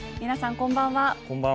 こんばんは。